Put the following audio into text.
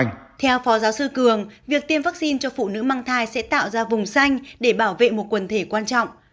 những người mang thai sẽ tạo ra vùng xanh để bảo vệ một quần thể quan trọng